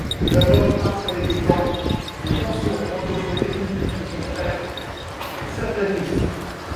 D'abord parce qu'avec le temps, les tensions entre son époux et son frère s'aplanissent.